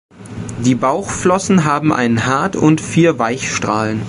Die Bauchflossen haben einen Hart- und vier Weichstrahlen.